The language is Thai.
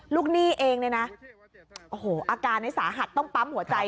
หนี้เองเนี่ยนะโอ้โหอาการนี้สาหัสต้องปั๊มหัวใจ